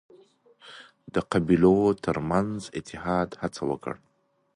ده د قبيلو ترمنځ اتحاد هڅه وکړ